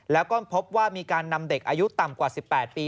แล้วก็พบว่ามีการนำเด็กอายุต่ำกว่า๑๘ปี